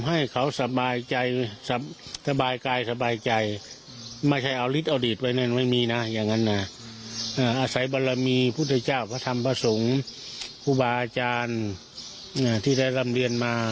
อาศัยบรรลามีพุทธเจ้าพระธรรมพระสงฆ์ครูบาอาจารย์ที่ได้รำเรียนมา